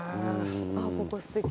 あっここすてき。